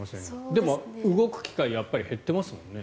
でも、動く機会が減ってますもんね。